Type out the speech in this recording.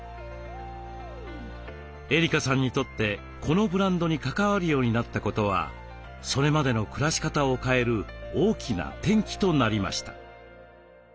エリカさんにとってこのブランドに関わるようになったことはそれまでの暮らし方を変える大きな転機となりました。